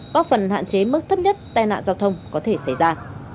góp phần hạn chế mức thấp nhất tai nạn giao thông có thể xảy ra